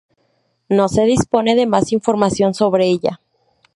No se dispone de más información sobre ella.